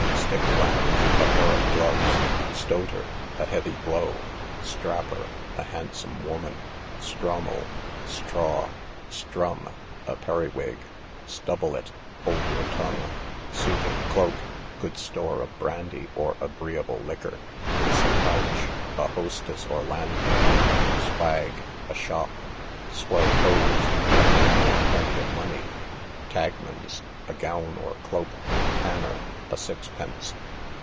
Stick flams, a pair of gloves. Stoter, a heavy blow. Strapper, a handsome woman. Strommel, straw. Strum, a periwig. Stubble it, hold your tongue. Suit and cloak, good store of brandy, or agreeable liquor. Supouch, a hostess or landlady. Swag, a shop. Swell cove, a man with plenty of money. Tagmans, a gown or cloak. Tanner, a sixpence.